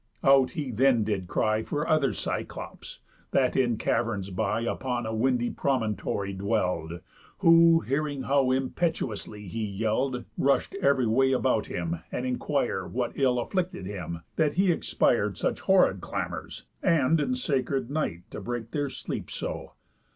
Out he then did cry For other Cyclops, that in caverns by Upon a windy promontory dwell'd; Who, hearing how impetuously he yell'd, Rush'd ev'ry way about him, and inquir'd, What ill afflicted him, that he exspir'd Such horrid clamours, and in sacred Night To break their sleeps so?